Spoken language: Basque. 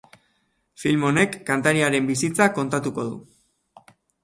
Film honek kantariaren bizitza kontatuko du.